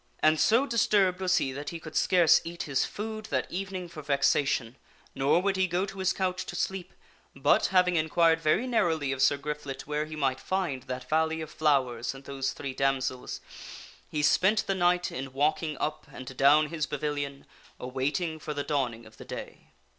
And so disturbed was he that he could scarce eat his food that evening for vexation, nor would he go to his couch to sleep, but, having inquired very narrowly of Sir Griflet where he might find that valley of flowers and those three damsels, he spent the night in walking up and down his pavilion, awaiting for the dawning of the day.